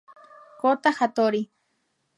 Kōta Hattori